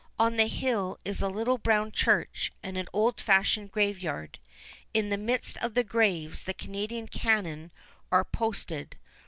On the hill is a little brown church and an old fashioned graveyard. In the midst of the graves the Canadian cannon are posted.